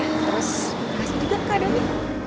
terus kasih juga kado ni